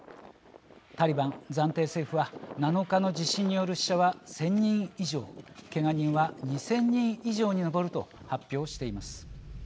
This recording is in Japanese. タリバン暫定政府は７日の地震による死者は１０００人以上けが人は２０００人以上に上ると発表しています。